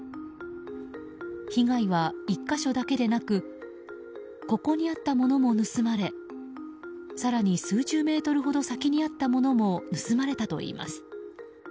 被害は１か所だけでなくここにあったものも盗まれ更に数十メートルほど先にあったものも盗まれたといいます。